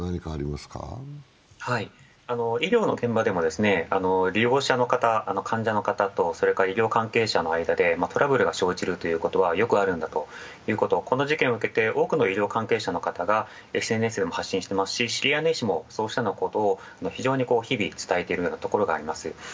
医療の現場でも利用者の方、患者の方とそれから医療関係者のまでトラブルが生じることはよくあるんだとこの事件を受けて多くの医療関係者の方がＳＮＳでも発信していますし知り合いの医師をそうしたようなことを非常に日々伝えているようなところがあります。